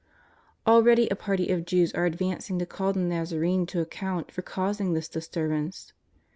Already a party of Jews are advancing to call the ^azarene to account for causing this disturbance.